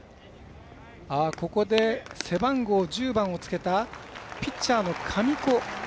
ここで背番号１０番をつけたピッチャーの神子。